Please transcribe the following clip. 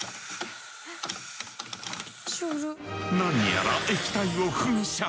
何やら液体を噴射。